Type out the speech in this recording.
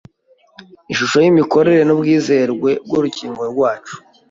ishusho y’imikorere n’ubwizerwe bw’urukingo rwacu,